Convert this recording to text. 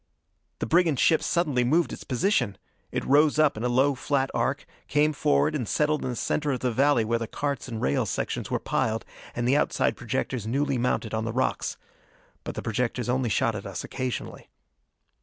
The brigand ship suddenly moved its position! It rose up in a low flat arc, came forward and settled in the center of the valley where the carts and rail sections were piled, and the outside projectors newly mounted on the rocks. But the projectors only shot at us occasionally.